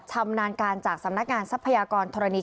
ชำนาญการจากสำนักงานทรัพยากรธรณี